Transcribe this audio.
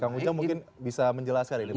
kang ujang mungkin bisa menjelaskan ini